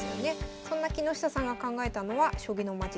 そんな木下さんが考えたのは将棋のまち